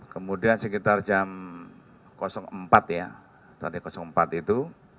kemudian sekitar jam empat ya tadi empat itu